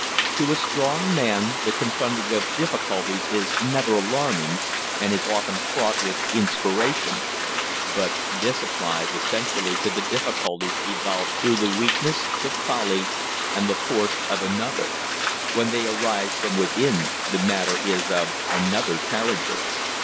To a strong man the confronting of difficulties is never alarming and is often fraught with inspiration; but this applies essentially to the difficulties evolved through the weakness, the folly, or the force of another; when they arise from within the matter is of another character.